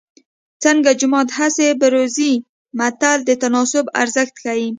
څنګه جومات هسې بروزې متل د تناسب ارزښت ښيي